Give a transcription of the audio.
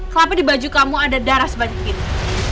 kenapa di baju kamu ada darah sebanyak itu